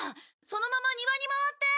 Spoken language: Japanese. そのまま庭に回って。